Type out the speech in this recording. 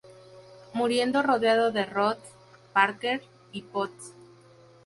Muriendo rodeado de Rodes, Parker y Potts.